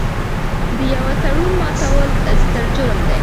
د یوه تړون ماتول ستر جرم دی.